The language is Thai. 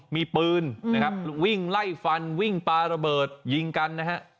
มีปืนนะครับวิ่งไล่ฟันวิ่งปลาระเบิดยิงกันนะฮะ